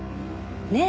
ねえ？